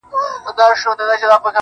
دیدن یې سره بېل کړي بې دیدنه نه بېلېږي